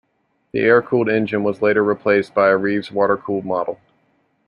The air-cooled engine was later replaced by a Reeves water-cooled model.